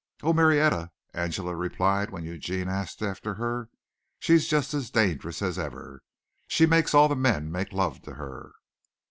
"Oh, Marietta," Angela replied when Eugene asked after her, "she's just as dangerous as ever. She makes all the men make love to her."